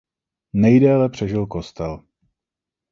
Nejdéle přežil kostel.